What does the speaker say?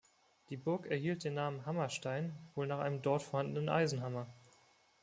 Die Burg erhielt den Namen Hammerstein, wohl nach einem dort vorhandenen Eisenhammer.